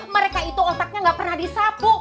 mereka itu otaknya gak pernah disapu